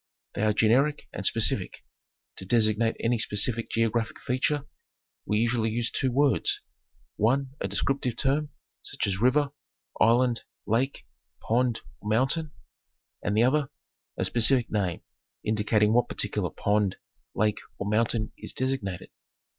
They are generic and specific. To designate any specific geo graphic feature we usually use two words, one a descriptive term, such as river, island, lake, pond or mountain, and the other, a specific name indicating what particular pond, lake, or mountain is designated.